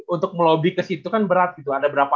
untuk ngelobby kesitu kan berat gitu ada berapa